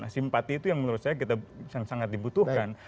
simpati itu yang menurut saya kita sangat dibutuhkan